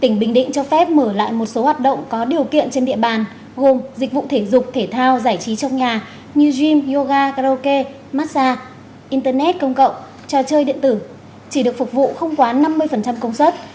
tỉnh bình định cho phép mở lại một số hoạt động có điều kiện trên địa bàn gồm dịch vụ thể dục thể thao giải trí trong nhà như zyam yoga karaoke massage internet công cộng trò chơi điện tử chỉ được phục vụ không quá năm mươi công suất